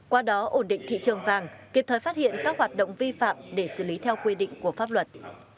qua đó ổn định thị trường vàng kịp thời phát hiện các hoạt động vi phạm để xử lý theo quy định của pháp luật